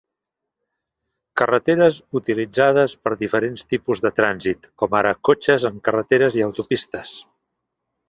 Carreteres utilitzades per diferents tipus de trànsit, com ara cotxes en carreteres i autopistes.